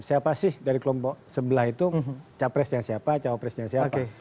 siapa sih dari kelompok sebelah itu capresnya siapa cawapresnya siapa